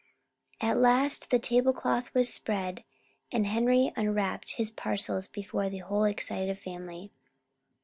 At last the tablecloth was spread and Henry unwrapped his parcels before the whole excited family.